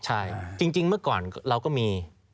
ใช่จริงเมื่อก่อนเราก็มี